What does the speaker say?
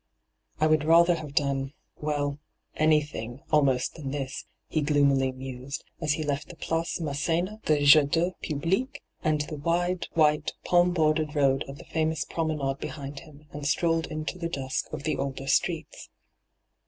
' I would rather have done — weU, anything, almost than this,' he gloomily mused, as he left the Place Mass^na, the Jardin Publique, and the wide white, palm bordered road of the famous Promenade behind him, and strolled into the dusk of the older streets.